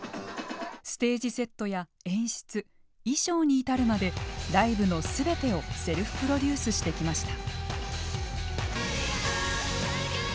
ステージセットや演出衣装に至るまでライブのすべてをセルフプロデュースしてきました。